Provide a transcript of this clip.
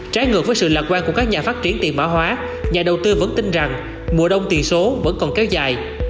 trái ngược với sự lạc quan của các nhà phát triển tiền mã hóa nhà đầu tư vẫn tin rằng mùa đông tiền số vẫn còn kéo dài